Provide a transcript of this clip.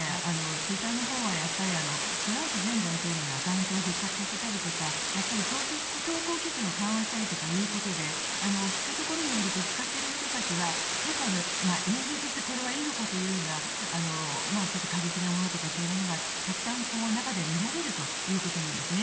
ツイッターのほうはトランプ前大統領のアカウントを復活させたりとか投稿基準を緩和したりということで聞くところによると使っている人たちは結構、映像としてこれはいいのかというような過激なものとかそういうものがたくさん中で見られるということなんですね。